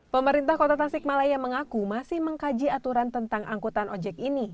pemerintah kota tasikmalaya mengaku masih mengkaji aturan tentang angkutan ojek ini